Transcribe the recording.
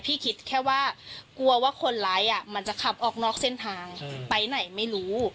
คิดแค่ว่ากลัวว่าคนร้ายมันจะขับออกนอกเส้นทางไปไหนไม่รู้